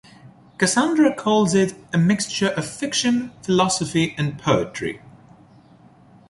Cassandra calls it "a mixture of fiction, philosophy and poetry".